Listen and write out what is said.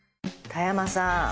田山さん